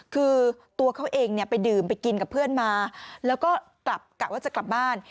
คือตัวเขาเองเนี่ยไปดื่มไปกินกับเพื่อนมาแล้วก็กลับกะว่าจะกลับบ้าน